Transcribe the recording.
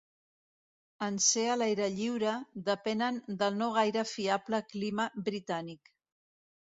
En ser a l'aire lliure, depenen del no gaire fiable clima britànic.